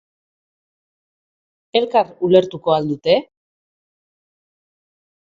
Elkar ulertuko al dute?